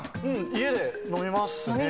家で飲みますね。